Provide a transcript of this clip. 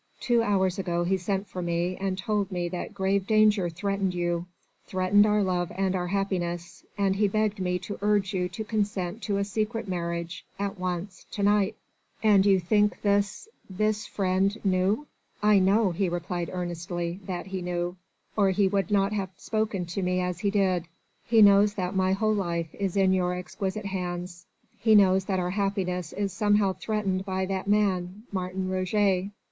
Two hours ago he sent for me and told me that grave danger threatened you threatened our love and our happiness, and he begged me to urge you to consent to a secret marriage ... at once ... to night." "And you think this ... this friend knew?" "I know," he replied earnestly, "that he knew, or he would not have spoken to me as he did. He knows that my whole life is in your exquisite hands he knows that our happiness is somehow threatened by that man Martin Roget.